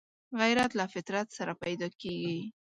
غیرت له فطرت سره پیدا کېږي